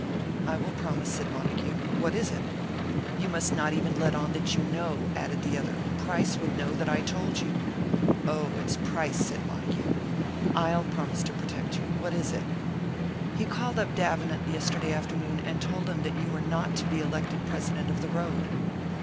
"I will promise," said Montague. "What is it?" "You must not even let on that you know," added the other. "Price would know that I told you." "Oh, it's Price!" said Montague. "I'll promise to protect you. What is it?" "He called up Davenant yesterday afternoon, and told him that you were not to be elected president of the road."